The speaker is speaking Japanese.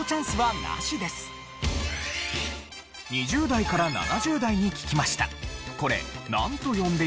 ２０代から７０代に聞きました。